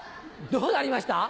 どうなりました？